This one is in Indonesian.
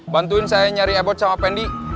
bantuin saya nyari e board sama pendi